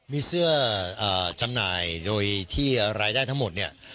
มีเสื้อจำหน่ายโดยที่รายได้ทั้งหมดเนี่ย